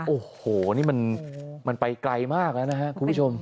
โอ้โหนี่มันไปไกลมากแล้วนะครับคุณผู้ชม